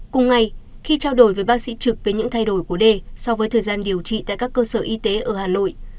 cùng ngày khi trao đổi với bác sĩ trực về những thay đổi của d so với thời gian điều trị tại các cơ sở y tế ở hà nội